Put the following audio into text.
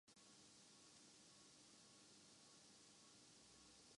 bonds کی قیمتیں بلند تھیں